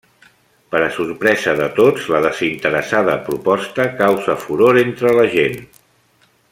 Per a sorpresa de tots, la desinteressada proposta causa furor entre la gent.